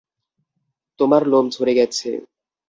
তোমার লোম ঝরে গেছে।